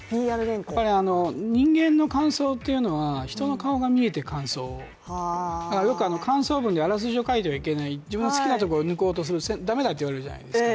やっぱり人間の感想というのは人の顔が見えて感想、よく感想文であらすじを書いてはいけない、自分の好きなところを抜こうとするのはだめだと言われるじゃないですか。